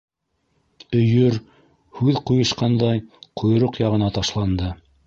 Өйөр, һүҙ ҡуйышҡандай, ҡойроҡ яғына ташланды.